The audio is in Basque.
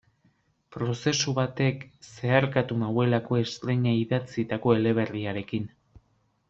Prozesu batek zeharkatu nauelako estreina idatzitako eleberriarekin.